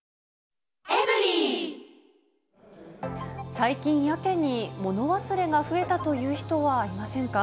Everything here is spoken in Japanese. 最近、やけに物忘れが増えたという人はいませんか。